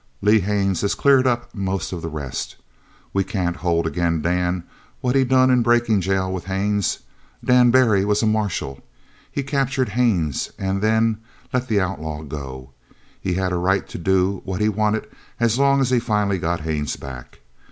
Lee Haines had cleared up most of the rest. We can't hold agin Dan what he done in breakin' jail with Haines. Dan Barry was a marshal. He captured Haines and then let the outlaw go. He had a right to do what he wanted as long as he finally got Haines back.